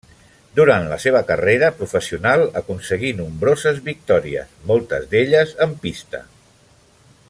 Durant la seva carrera professional aconseguí nombroses victòries, moltes d'elles en pista.